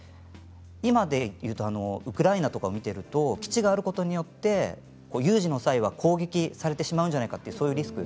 今ウクライナを見ていると基地があることによって有事の際攻撃されてしまうんじゃないかというリスク。